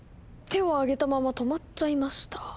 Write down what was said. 手を上げたまま止まっちゃいました。